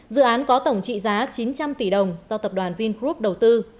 dự án có tổng trị giá chín trăm linh tỷ đồng do tập đoàn vingroup đầu tư